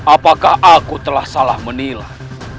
apakah aku telah salah menilai